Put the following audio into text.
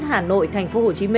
hà nội tp hcm